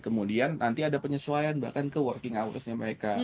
kemudian nanti ada penyesuaian bahkan ke working hoursnya mereka